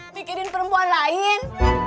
mikirin perempuan lain